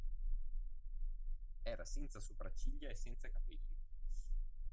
Era senza sopracciglia e senza capelli.